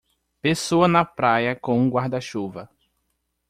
Pessoa na praia com um guarda-chuva.